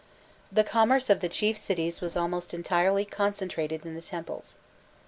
The commerce of the chief cities was almost entirely concentrated in the temples.